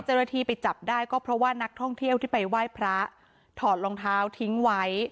เจ้าหน้าที่ไปจับได้ก็เพราะว่านักท่องเที่ยวที่ไปไหว้พระถอดรองเท้าทิ้งไว้